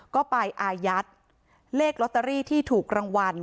ก็ไปอายัดเลขลอตเตอรี่ที่ถูกรางวัล